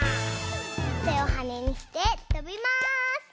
てをはねにしてとびまーす。